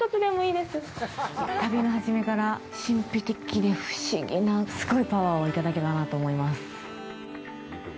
旅の初めから神秘的で不思議なすごいパワーをいただけたなと思います。